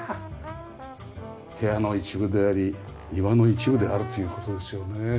部屋の一部であり庭の一部であるという事ですよね。